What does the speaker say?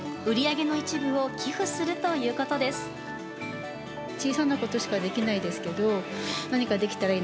売り上げの一部を寄付するということです。